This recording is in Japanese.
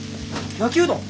焼きうどん？